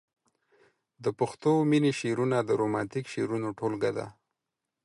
د پښتو مينې شعرونه د رومانتيک شعرونو ټولګه ده.